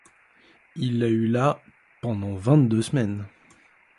Il a eu la pendant vingt-deux semaines.